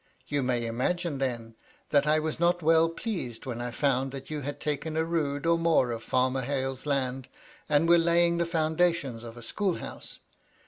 You may imagine, then, that I was not well pleased when I found that you had taken a rood or more of Farmer Hale's land, and were laying the foundations of a school house.